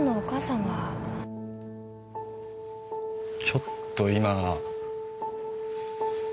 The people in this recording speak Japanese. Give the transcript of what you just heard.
ちょっと今。